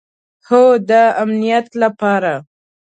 هو، د امنیت لپاره